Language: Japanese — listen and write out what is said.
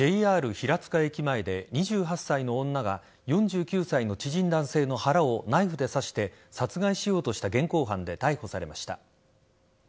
平塚駅前で２８歳の女が４９歳の知人男性の腹をナイフで刺して殺害しようとした現行犯で逮捕されました。